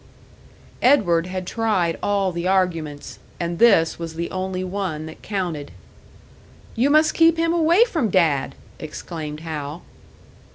Edward had tried all the arguments, and this was the only one that counted. "You must keep him away from Dad!" exclaimed Hal.